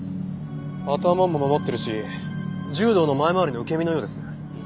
頭も守ってるし柔道の前回りの受け身のようですね。